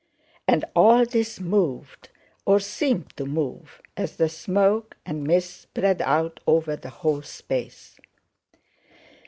And all this moved, or seemed to move, as the smoke and mist spread out over the whole space.